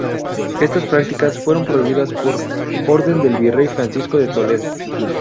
Estas prácticas fueron prohibidas por orden del virrey Francisco de Toledo.